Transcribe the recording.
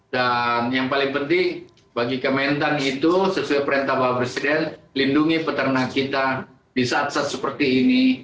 dan yang paling penting bagi kementan itu sesuai perintah bapak presiden lindungi peternak kita di saat saat seperti ini